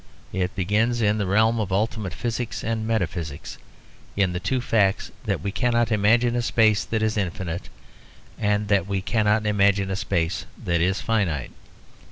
It begins in the realm of ultimate physics and metaphysics, in the two facts that we cannot imagine a space that is infinite, and that we cannot imagine a space that is finite.